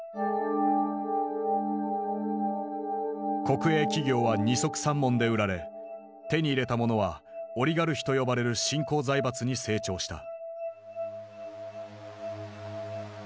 国営企業は二束三文で売られ手に入れた者はオリガルヒと呼ばれる新興財閥に成長した。